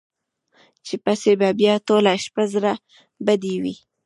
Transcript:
چې سپۍ به بیا ټوله شپه زړه بدې وي.